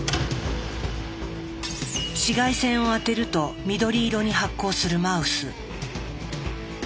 紫外線を当てると緑色に発光するマウス。